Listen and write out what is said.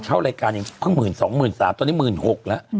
เห็นไหมล่ะ